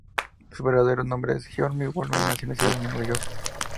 Su verdadero nombre era George Bolger, y nació en la ciudad de Nueva York.